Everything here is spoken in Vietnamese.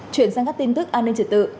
chuyển sang các tin tức an ninh trật tự